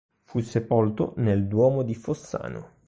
Fu sepolto nel duomo di Fossano.